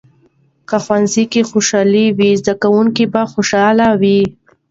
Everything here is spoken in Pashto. که ښوونځي خوشال وي، زده کوونکي به خوشحاله وي.